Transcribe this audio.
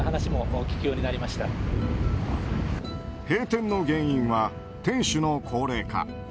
閉店の原因は店主の高齢化。